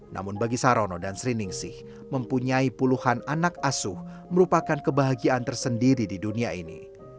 namun bagi sarono dan sri ningsih mempunyai puluhan anak asuh merupakan kebahagiaan tersendiri di dunia ini